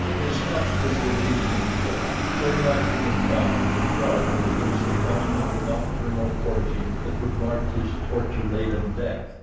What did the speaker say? His captors were leading him to a hut where he might be confined and guarded against the coming of the nocturnal orgy that would mark his torture laden death.